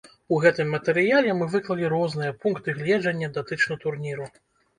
У гэтым матэрыяле мы выклалі розныя пункты гледжання датычна турніру.